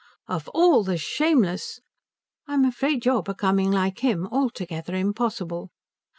"Of all the shameless " "I'm afraid you're becoming like him altogether impossible."